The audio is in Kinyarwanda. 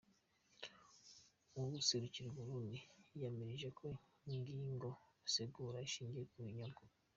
Uwuserukira u Burundi yiyamirije iyo ngingo asigura ko ishingiye ku binyoma.